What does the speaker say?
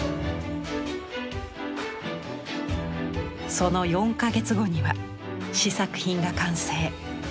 その４か月後には試作品が完成。